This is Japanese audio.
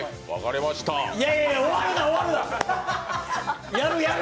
いやいや終わるな、終わるなやるやる。